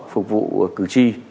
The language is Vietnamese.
phục vụ cử tri